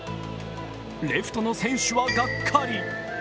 レフトの選手はがっかり。